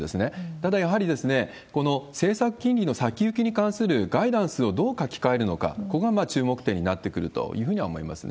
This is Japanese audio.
ただ、やはりこの政策金利の先行きに関するガイダンスをどう書き換えるのか、ここが注目点になってくるというふうには思いますね。